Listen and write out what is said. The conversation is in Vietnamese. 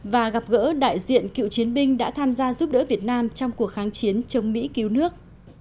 và gặp gỡ đại diện cựu chiến binh đã tham gia giúp đỡ việt nam trong cuộc kháng chiến chống mỹ cứu nước